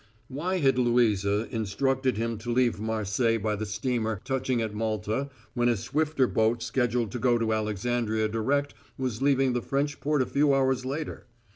Why had Louisa instructed him to leave Marseilles by the steamer touching at Malta when a swifter boat scheduled to go to Alexandria direct was leaving the French port a few hours later?